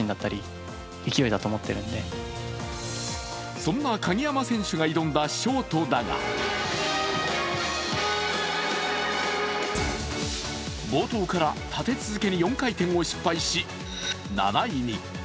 そんな鍵山選手が挑んだショートだが冒頭から立て続けに４回転を失敗し、７位に。